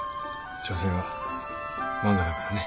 所詮は漫画だからね。